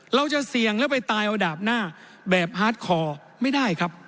เราจะเสี่ยงแล้วไปตายเอาดาบหน้าแบบฮาร์ดคอร์ไม่ได้ครับ